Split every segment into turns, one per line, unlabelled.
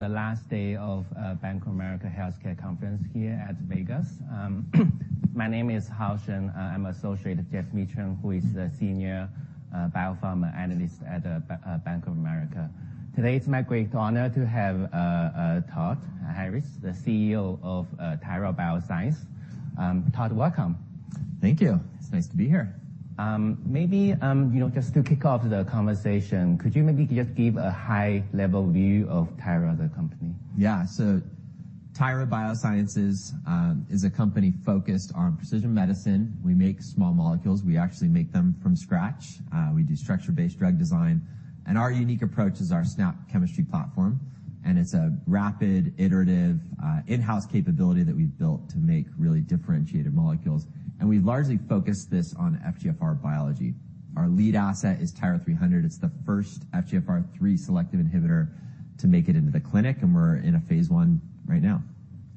The last day of Bank of America Healthcare Conference here at Vegas. My name is Hao Shen. I'm associate of Geoff Meacham, who is the senior biopharma analyst at Bank of America. Today, it's my great honor to have Todd Harris, the CEO of Tyra Biosciences. Todd, welcome.
Thank you. It's nice to be here.
Maybe, you know, just to kick off the conversation, could you maybe just give a high-level view of Tyra, the company?
Yeah. Tyra Biosciences is a company focused on precision medicine. We make small molecules. We actually make them from scratch. We do structure-based drug design. Our unique approach is our SNAP chemistry platform. It's a rapid, iterative, in-house capability that we've built to make really differentiated molecules. We've largely focused this on FGFR biology. Our lead asset is TYRA-300. It's the first FGFR3 selective inhibitor to make it into the clinic. We're in a phase I right now.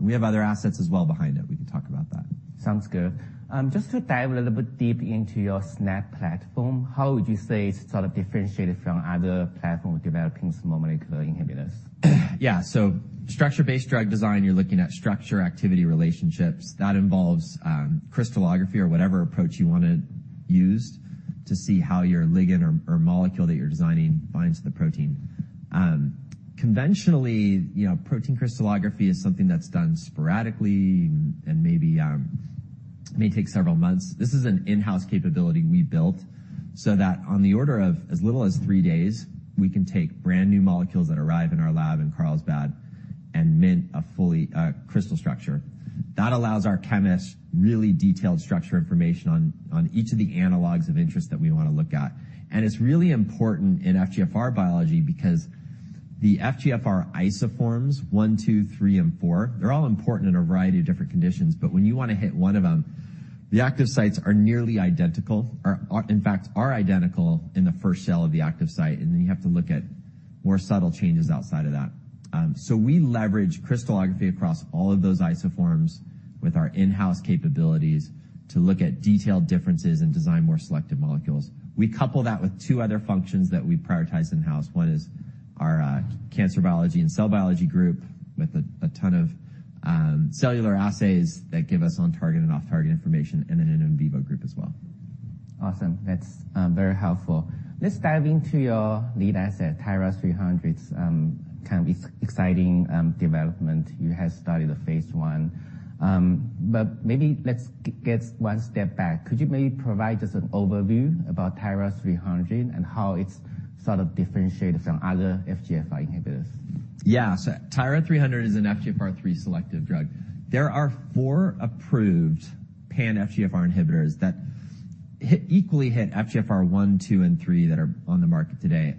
We have other assets as well behind it. We can talk about that.
Sounds good. just to dive a little bit deep into your SNAP platform, how would you say it's sort of differentiated from other platform developing small molecular inhibitors?
Yeah. Structure-based drug design, you're looking at structure activity relationships. That involves crystallography or whatever approach you wanna use to see how your ligand or molecule that you're designing binds to the protein. Conventionally, you know, protein crystallography is something that's done sporadically and maybe may take several months. This is an in-house capability we built so that on the order of as little as 3 days, we can take brand-new molecules that arrive in our lab in Carlsbad and mint a fully crystal structure. That allows our chemists really detailed structure information on each of the analogs of interest that we wanna look at. It's really important in FGFR biology because the FGFR isoforms, 1, 2, 3, and 4, they're all important in a variety of different conditions. When you wanna hit one of them, the active sites are nearly identical or in fact, are identical in the first cell of the active site, and then you have to look at more subtle changes outside of that. We leverage crystallography across all of those isoforms with our in-house capabilities to look at detailed differences and design more selective molecules. We couple that with two other functions that we prioritize in-house. One is our cancer biology and cell biology group with a ton of cellular assays that give us on-target and off-target information, and then an in vivo group as well.
Awesome. That's very helpful. Let's dive into your lead asset, TYRA-300. Kind of exciting development. You have started the phase I. Maybe let's get one step back. Could you maybe provide just an overview about TYRA-300 and how it's sort of differentiated from other FGFR inhibitors?
Yeah. TYRA-300 is an FGFR3 selective drug. There are 4 approved pan FGFR inhibitors that equally hit FGFR1, 2, and 3 that are on the market today.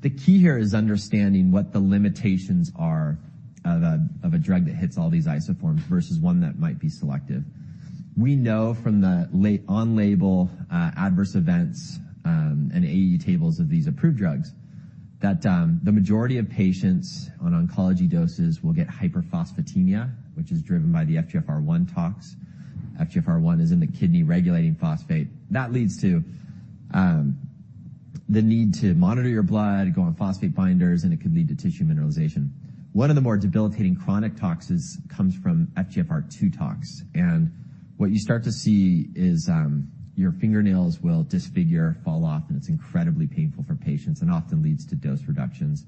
The key here is understanding what the limitations are of a drug that hits all these isoforms versus one that might be selective. We know from the on-label adverse events and AE tables of these approved drugs that the majority of patients on oncology doses will get hyperphosphatemia, which is driven by the FGFR1 tox. FGFR1 is in the kidney-regulating phosphate. That leads to the need to monitor your blood, go on phosphate binders, and it could lead to tissue mineralization. One of the more debilitating chronic toxes comes from FGFR2 tox. What you start to see is, your fingernails will disfigure, fall off, and it's incredibly painful for patients and often leads to dose reductions.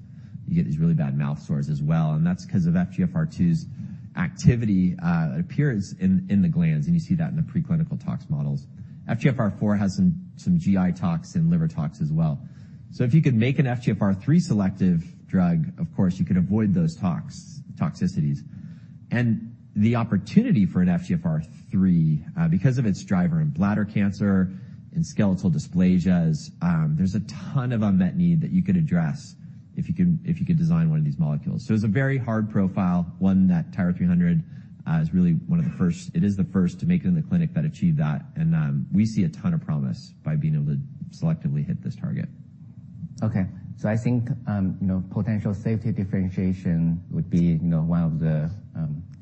You get these really bad mouth sores as well, and that's 'cause of FGFR2's activity, appearance in the glands, and you see that in the preclinical tox models. FGFR4 has some GI tox and liver tox as well. If you could make an FGFR3 selective drug, of course, you could avoid those toxicities. The opportunity for an FGFR3, because of its driver in bladder cancer and skeletal dysplasias, there's a ton of unmet need that you could address if you could design one of these molecules. It's a very hard profile, one that TYRA-300 is really one of the first... It is the first to make it in the clinic that achieved that. We see a ton of promise by being able to selectively hit this target.
I think, you know, potential safety differentiation would be, you know, one of the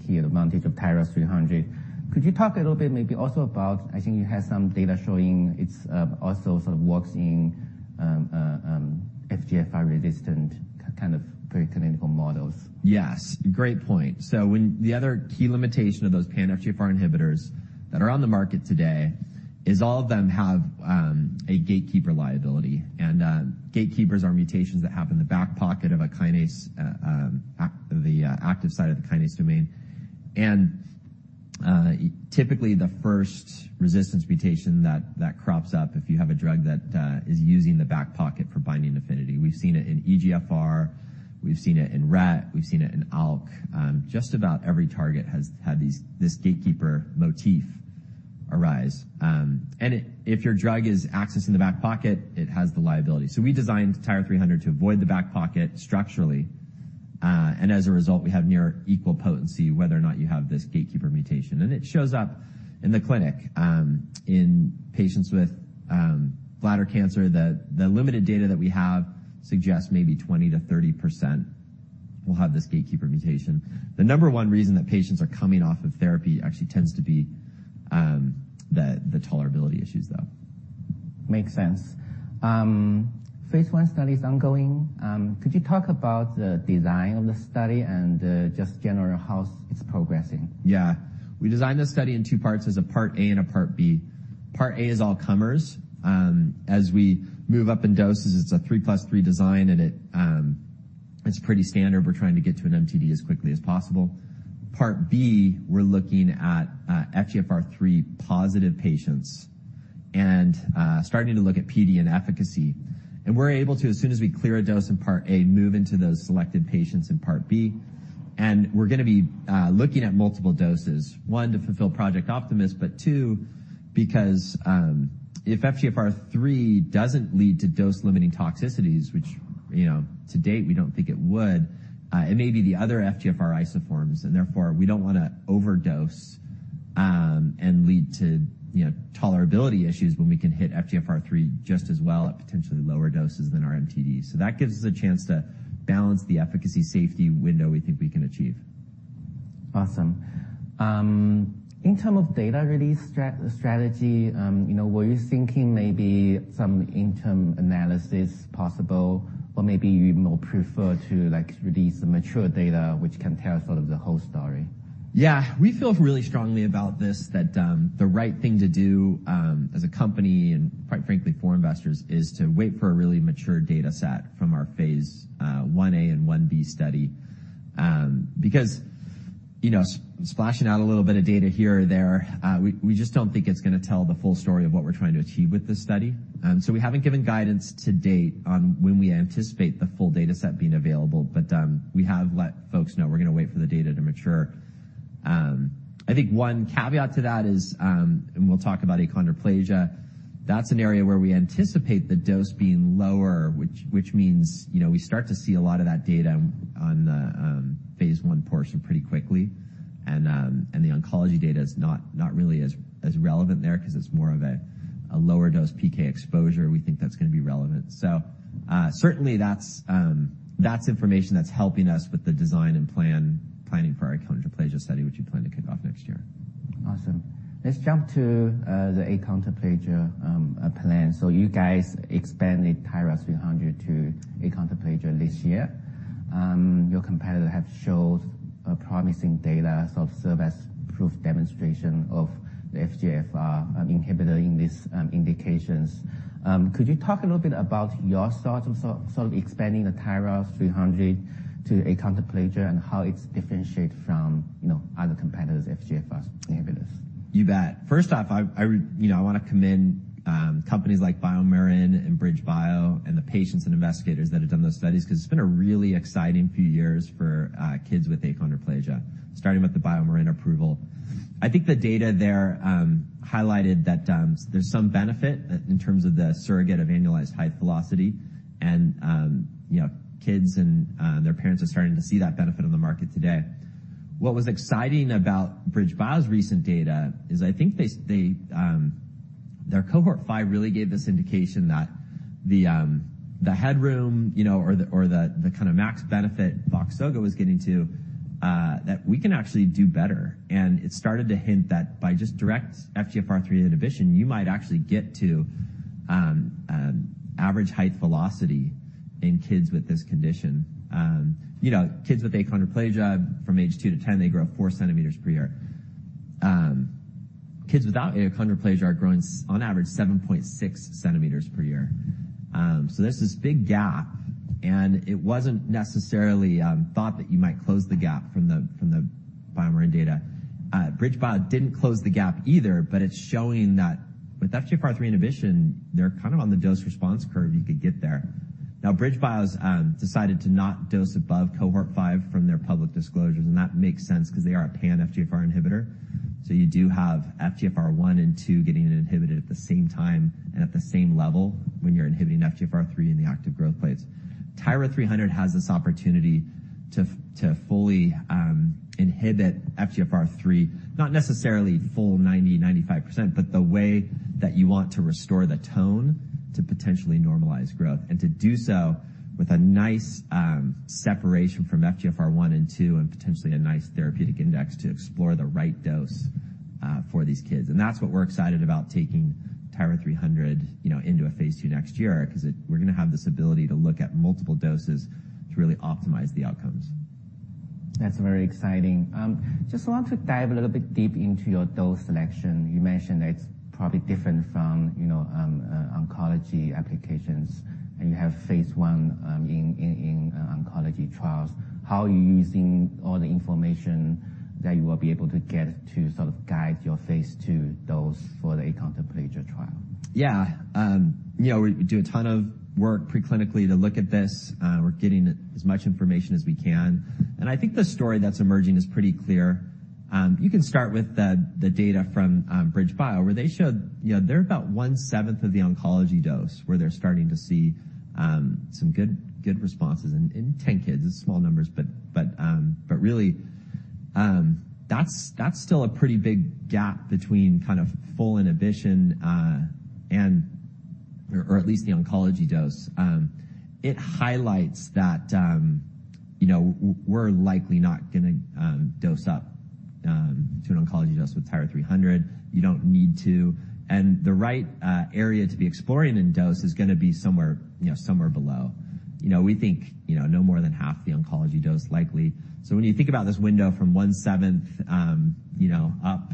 key advantage of TYRA-300. Could you talk a little bit maybe also about, I think you have some data showing it's also sort of works in FGFR resistant kind of preclinical models.
Yes. Great point. When the other key limitation of those pan FGFR inhibitors that are on the market today is all of them have a gatekeeper liability. Gatekeepers are mutations that happen in the back pocket of a kinase, the active site of the kinase domain. Typically, the first resistance mutation that crops up if you have a drug that is using the back pocket for binding affinity. We've seen it in EGFR. We've seen it in RET. We've seen it in ALK. Just about every target has had this gatekeeper motif arise. If your drug is accessing the back pocket, it has the liability. We designed TYRA-300 to avoid the back pocket structurally. As a result, we have near equal potency whether or not you have this gatekeeper mutation. It shows up in the clinic, in patients with bladder cancer. The limited data that we have suggests maybe 20%-30% will have this gatekeeper mutation. The number one reason that patients are coming off of therapy actually tends to be the tolerability issues, though.
Makes sense. phase I study is ongoing. Could you talk about the design of the study and just general how it's progressing?
Yeah. We designed the study in two parts. There's a part A and a part B. Part A is all comers. As we move up in doses, it's a 3+3 design, and it's pretty standard. We're trying to get to an MTD as quickly as possible. Part B, we're looking at FGFR3 positive patients and starting to look at PD and efficacy. We're able to, as soon as we clear a dose in part A, move into those selected patients in part B. We're gonna be looking at multiple doses, one, to fulfill Project Optimus, but two, because, if FGFR3 doesn't lead to dose-limiting toxicities, which, you know, to date, we don't think it would, it may be the other FGFR isoforms, and therefore, we don't wanna overdose, and lead to, you know, tolerability issues when we can hit FGFR3 just as well at potentially lower doses than our MTDs. That gives us a chance to balance the efficacy safety window we think we can achieve.
Awesome. In terms of data release strategy, you know, were you thinking maybe some interim analysis possible, or maybe you would more prefer to, like, release the mature data, which can tell sort of the whole story?
Yeah. We feel really strongly about this, that, the right thing to do, as a company and quite frankly, for investors, is to wait for a really mature data set from our phase Ia phase Ib study. You know, splashing out a little bit of data here or there, we just don't think it's gonna tell the full story of what we're trying to achieve with this study. We haven't given guidance to date on when we anticipate the full data set being available, but, we have let folks know we're gonna wait for the data to mature. I think one caveat to that is, we'll talk about achondroplasia, that's an area where we anticipate the dose being lower, which means, you know, we start to see a lot of that data on the phase I portion pretty quickly. The oncology data is not really as relevant there 'cause it's more of a lower dose PK exposure. We think that's gonna be relevant. Certainly that's information that's helping us with the design and planning for our achondroplasia study, which we plan to kick off next year.
Awesome. Let's jump to the achondroplasia plan. You guys expanded TYRA-300 to achondroplasia this year. Your competitor have showed a promising data, sort of serve as proof demonstration of the FGFR inhibitor in this indications. Could you talk a little bit about your thoughts of sort of expanding the TYRA-300 to achondroplasia and how it's differentiate from, you know, other competitors' FGFR inhibitors?
You bet. First off, I, you know, I wanna commend companies like BioMarin and BridgeBio and the patients and investigators that have done those studies, 'cause it's been a really exciting few years for kids with achondroplasia, starting with the BioMarin approval. I think the data there highlighted that there's some benefit in terms of the surrogate of annualized height velocity, and, you know, kids and their parents are starting to see that benefit on the market today. What was exciting about BridgeBio's recent data is I think they, their cohort five really gave this indication that the headroom, you know, or the kind of max benefit Voxzogo was getting to, that we can actually do better. It started to hint that by just direct FGFR3 inhibition, you might actually get to average height velocity in kids with this condition. You know, kids with achondroplasia from age 2 to 10, they grow 4 centimeters per year. Kids without achondroplasia are growing on average 7.6 centimeters per year. There's this big gap, and it wasn't necessarily thought that you might close the gap from the, from the BioMarin data. BridgeBio didn't close the gap either, but it's showing that with FGFR3 inhibition, they're kind of on the dose response curve you could get there. BridgeBio's decided to not dose above cohort 5 from their public disclosures, and that makes sense 'cause they are a pan FGFR inhibitor. You do have FGFR1 and 2 getting inhibited at the same time and at the same level when you're inhibiting FGFR3 in the active growth plates. TYRA-300 has this opportunity to fully inhibit FGFR3, not necessarily full 90-95%, but the way that you want to restore the tone to potentially normalize growth, and to do so with a nice separation from FGFR1 and 2 and potentially a nice therapeutic index to explore the right dose for these kids. That's what we're excited about taking TYRA-300, you know, into a phase II next year, we're gonna have this ability to look at multiple doses to really optimize the outcomes.
That's very exciting. Just want to dive a little bit deep into your dose selection. You mentioned it's probably different from, you know, oncology applications, and you have phase I oncology trials. How are you using all the information that you will be able to get to sort of guide your phase II dose for the achondroplasia trial?
Yeah. You know, we do a ton of work preclinically to look at this. We're getting as much information as we can. I think the story that's emerging is pretty clear. You can start with the data from BridgeBio, where they showed, you know, they're about one-seventh of the oncology dose, where they're starting to see some good responses in 10 kids. It's small numbers, but really, that's still a pretty big gap between kind of full inhibition, or at least the oncology dose. It highlights that. You know, we're likely not gonna dose up to an oncology dose with TYRA-300. You don't need to. The right area to be exploring in dose is gonna be somewhere, you know, somewhere below. You know, we think, you know, no more than half the oncology dose likely. When you think about this window from one-seventh, you know, up,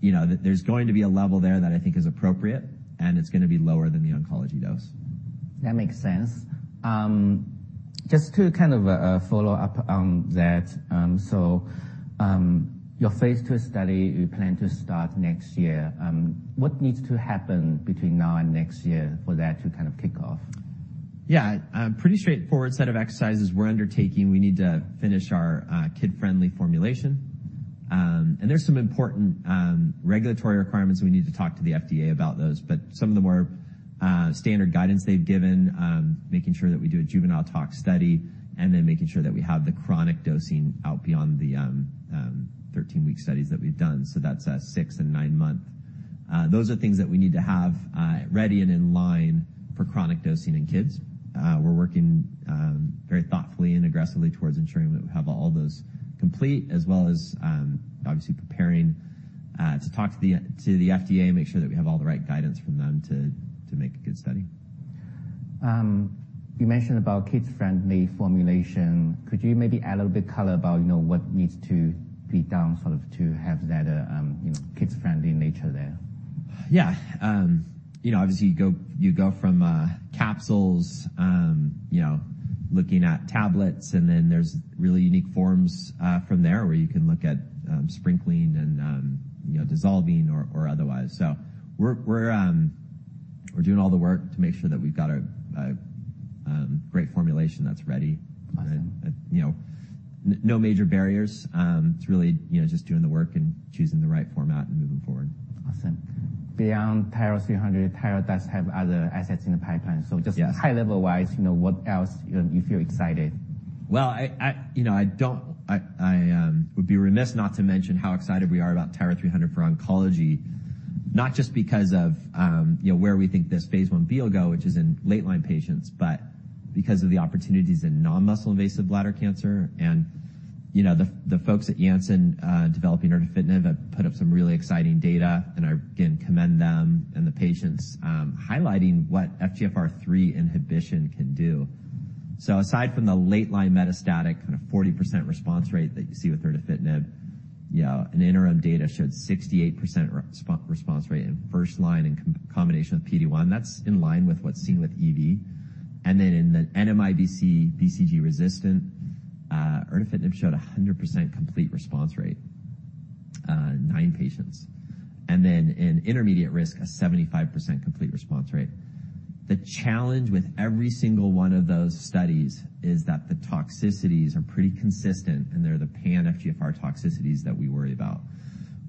you know, there's going to be a level there that I think is appropriate, and it's gonna be lower than the oncology dose.
That makes sense. Just to kind of follow up on that, your phase II study you plan to start next year. What needs to happen between now and next year for that to kind of kick off?
Yeah. Pretty straightforward set of exercises we're undertaking. We need to finish our kid-friendly formulation. There's some important regulatory requirements, and we need to talk to the FDA about those. Some of the more standard guidance they've given, making sure that we do a juvenile toxicology study and then making sure that we have the chronic dosing out beyond the 13-week studies that we've done, so that's 6 and 9 month. Those are things that we need to have ready and in line for chronic dosing in kids. We're working very thoughtfully and aggressively towards ensuring that we have all those complete as well as obviously preparing to talk to the FDA and make sure that we have all the right guidance from them to make a good study.
You mentioned about kids-friendly formulation. Could you maybe add a little bit color about, you know, what needs to be done sort of to have that, you know, kids-friendly nature there?
Yeah. You know, obviously you go from capsules, you know, looking at tablets, and then there's really unique forms from there where you can look at sprinkling and, you know, dissolving or otherwise. We're doing all the work to make sure that we've got a great formulation that's ready.
Awesome.
You know, no major barriers. It's really, you know, just doing the work and choosing the right format and moving forward.
Awesome. Beyond TYRA-300, Tyra does have other assets in the pipeline.
Yes.
Just high level-wise, you know, what else you feel excited?
Well, I, you know, I would be remiss not to mention how excited we are about TYRA-300 for oncology, not just because of, you know, where we think this phase Ib will go, which is in late line patients, but because of the opportunities in Non-muscle invasive bladder cancer. You know, the folks at Janssen, developing erdafitinib have put up some really exciting data, and I, again, commend them and the patients, highlighting what FGFR3 inhibition can do. Aside from the late line metastatic kind of 40% response rate that you see with erdafitinib, you know, an interim data showed 68% response rate in first line in combination with PD-1. That's in line with what's seen with EV. In the NMIBC BCG resistant, erdafitinib showed a 100% complete response rate, 9 patients. In intermediate risk, a 75% complete response rate. The challenge with every single one of those studies is that the toxicities are pretty consistent, and they're the pan FGFR toxicities that we worry about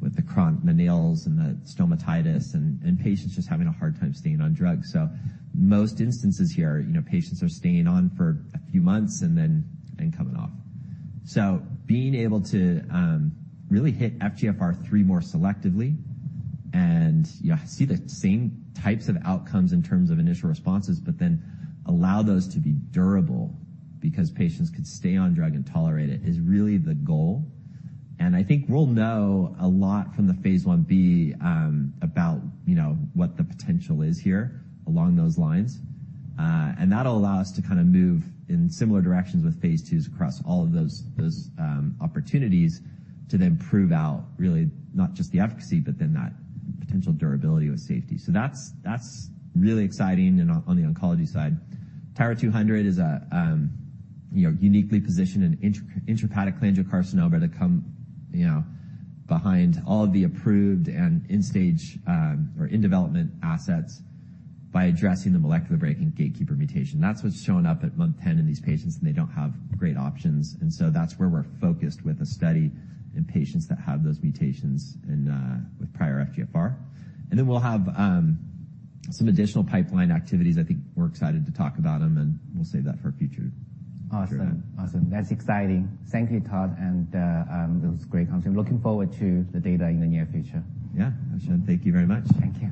with the nails and the stomatitis and patients just having a hard time staying on drugs. Most instances here, you know, patients are staying on for a few months and then, and coming off. Being able to really hit FGFR3 more selectively and, you know, see the same types of outcomes in terms of initial responses but then allow those to be durable because patients could stay on drug and tolerate it is really the goal. I think we'll know a lot from the phase Ib, about, you know, what the potential is here along those lines. That'll allow us to kind of move in similar directions with phase IIs across all of those opportunities to then prove out really not just the efficacy but then that potential durability with safety. That's really exciting on the oncology side. TYRA-200 is, you know, uniquely positioned in intrahepatic cholangiocarcinoma to come, you know, behind all of the approved and end stage, or in development assets by addressing the molecular brake and gatekeeper mutations. That's what's shown up at month 10 in these patients, and they don't have great options. That's where we're focused with the study in patients that have those mutations and with prior FGFR. We'll have some additional pipeline activities. I think we're excited to talk about them, and we'll save that for a future event.
Awesome. Awesome. That's exciting. Thank you, Todd, and it was great talking to you. Looking forward to the data in the near future.
Yeah.
Appreciate it.
Thank you very much.
Thank you.